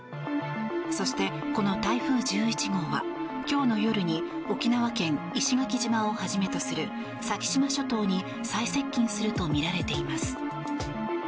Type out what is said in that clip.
そして、この台風１１号は今日の夜に沖縄県石垣市をはじめとする先島諸島に最接近するとみられています。